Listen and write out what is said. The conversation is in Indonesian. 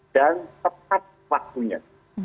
dan tepat waktunya